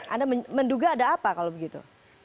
anda menduga ada apa kalau begitu